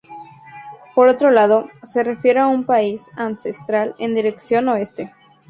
Por otro lado, se refiere a un país ancestral en dirección oeste.